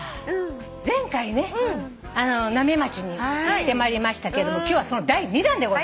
前回ね浪江町に行ってまいりましたけども今日はその第２弾でございます。